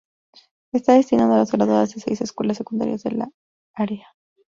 Está destinado a los graduados de seis escuelas secundarias de la área.